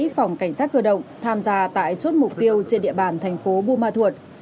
phòng cảnh sát cơ động tham gia tại chốt mục tiêu trên địa bàn thành phố buma thuột